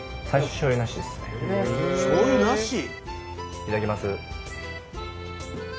いただきます。